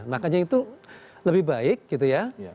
makanya itu lebih baik gitu ya